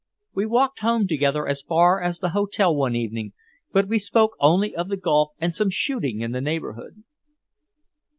"We walked home together as far as the hotel one evening, but we spoke only of the golf and some shooting in the neighbourhood."